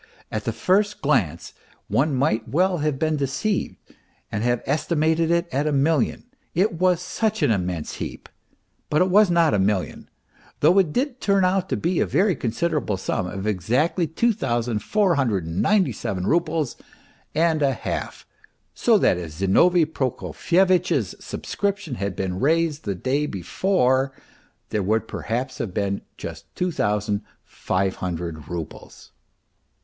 At the first glance one might well have been deceived and have estimated it at a million, it was such an immense heap. But it was not a million, though it did turn out to be a very considerable sum exactly 2497 roubles and a half so that if Zinovy Prokofyevitch's subscription had been raised the day before there would perhaps have been just 2500 roubles.